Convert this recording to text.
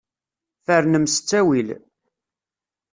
Fernem s ttawil.